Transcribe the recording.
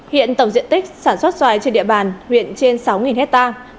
hiện tổng diện tích sản xuất xoài trên địa bàn huyện trên sáu hectare